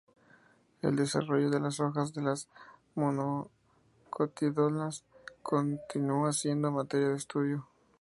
El desarrollo de las hojas de las monocotiledóneas continúa siendo materia de estudio.